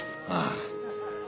ああ。